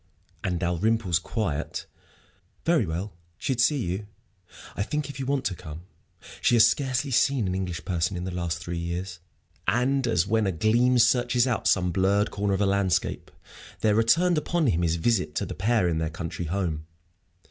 And Dalrymple's quiet, "Very well. She'd see you, I think, if you want to come. She has scarcely seen an English person in the last three years." And as when a gleam searches out some blurred corner of a landscape, there returned upon him his visit to the pair in their country home.